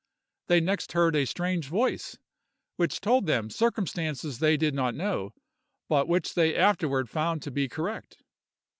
They next heard a strange voice, which told them circumstances they did not know, but which they afterward found to be correct.